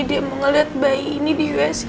dia mau lihat bayi ini di usg